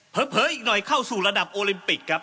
อีกหน่อยเข้าสู่ระดับโอลิมปิกครับ